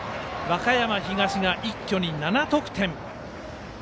和歌山東が一挙に７得点。